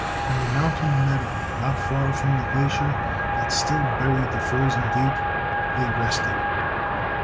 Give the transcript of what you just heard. On a mountain meadow, not far from the glacier that still buried the Frozen Gate, they rested....